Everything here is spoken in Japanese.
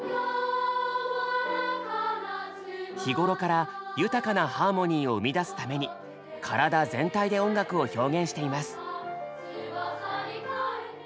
日頃から豊かなハーモニーを生み出すために体全体で音楽を表現しています。